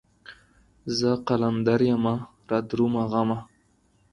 زه قلندر يمه رادرومه غمه